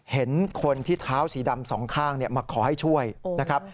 เห็นคนที่เท้าสีดำสองข้างมาขอให้ช่วยนะครับ